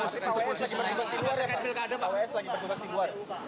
pak ws lagi bertugas di luar